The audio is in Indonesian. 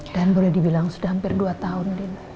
dan boleh dibilang sudah hampir dua tahun